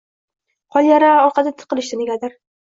Qolganlari orqada tiqilishdi negadir.